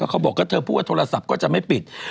เขาบอกว่าเธอพูดว่าโทรศัพท์ก็จะไม่ปิด